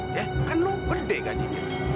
ya kan lo gede gajinya